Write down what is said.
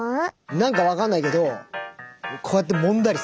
何か分かんないけどこうやってもんだりする。